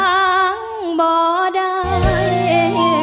ยังบ่ได้